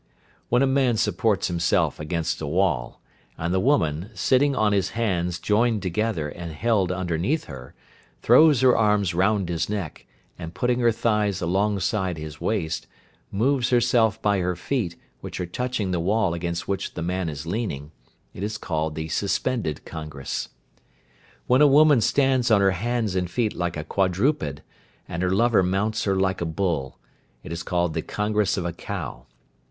When a man supports himself against a wall, and the woman, sitting on his hands joined together and held underneath her, throws her arms round his neck, and putting her thighs alongside his waist, moves herself by her feet, which are touching the wall against which the man is leaning, it is called the "suspended congress." When a woman stands on her hands and feet like a quadruped, and her lover mounts her like a bull, it is called the "congress of a cow."